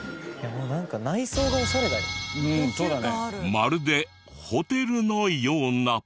まるでホテルのような。